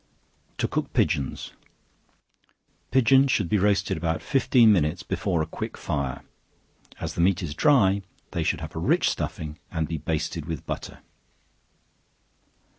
To Cook Pigeons. Pigeons should be roasted about fifteen minutes before a quick fire; as the meat is dry, they should have a rich stuffing, and be basted with butter.